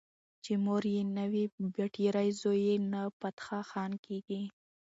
چې مور یې نه وي بټيارۍ زوی يې نه فتح خان کيږي